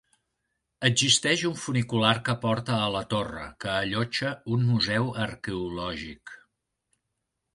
Existeix un funicular que porta a la torre, que allotja un museu arqueològic.